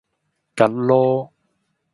趷籮